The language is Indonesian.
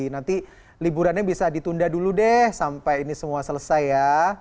nanti liburannya bisa ditunda dulu deh sampai ini semua selesai ya